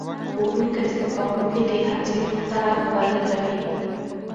ښوونکی زده کوونکي د هڅې لور ته رهبري کوي